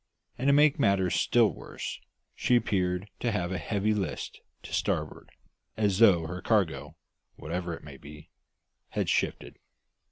And, to make matters still worse, she appeared to have a heavy list to starboard, as though her cargo, whatever it might be, had shifted.